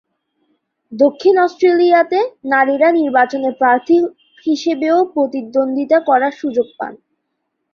দক্ষিণ অস্ট্রেলিয়াতে নারীরা নির্বাচনে প্রার্থী হিসেবেও প্রতিদ্বন্দ্বিতা করার সুযোগ পান।